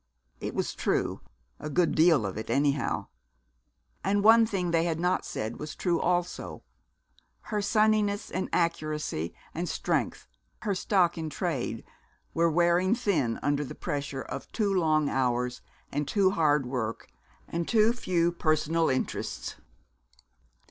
It was true a good deal of it, anyhow. And one thing they had not said was true also: her sunniness and accuracy and strength, her stock in trade, were wearing thin under the pressure of too long hours and too hard work and too few personal interests.